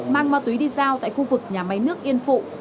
mang ma túy đi giao tại khu vực nhà máy nước yên phụ